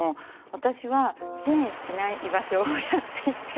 私は支援しない居場所をやっていて。